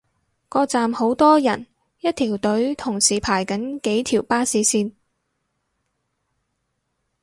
個站好多人，一條隊同時排緊幾條巴士線